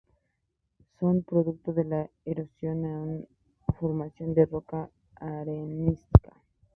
Son producto de la erosión en una formación de roca arenisca.